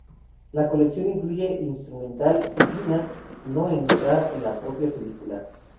La colección incluye instrumental y "Dina", no entrar en la propia película.